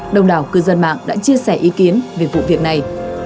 đồng đảo cư dân mạng đã chia sẻ ý kiến về vụ việc này